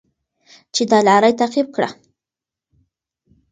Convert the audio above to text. چې دا لاره یې تعقیب کړه.